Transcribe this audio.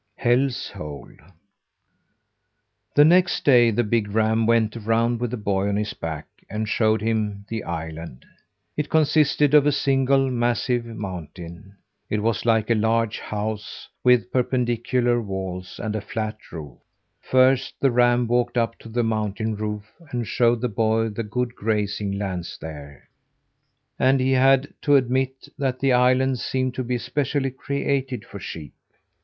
HELL'S HOLE The next day the big ram went around with the boy on his back, and showed him the island. It consisted of a single massive mountain. It was like a large house with perpendicular walls and a flat roof. First the ram walked up on the mountain roof and showed the boy the good grazing lands there, and he had to admit that the island seemed to be especially created for sheep.